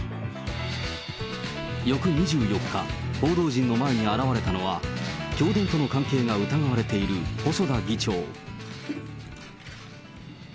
翌２４日、報道陣の前に現れたのは、教団との関係が疑われている細田議長。